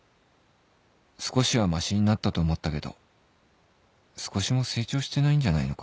少しはマシになったと思ったけど少しも成長してないんじゃないのか